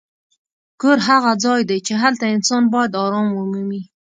کور هغه ځای دی چې هلته انسان باید ارام ومومي.